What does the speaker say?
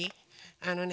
あのね。